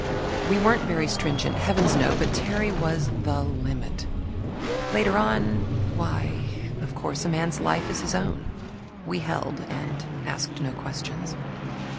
We weren't very stringent, heavens no! But Terry was "the limit." Later on why, of course a man's life is his own, we held, and asked no questions.